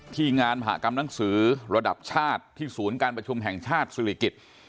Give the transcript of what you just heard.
ที่งานมหากรรมหนังสือระดับชาติที่ศูนย์การประชุมแห่งชาติศิริกิจ